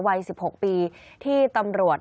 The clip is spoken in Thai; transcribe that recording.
วัย๑๖ปีที่ตำรวจ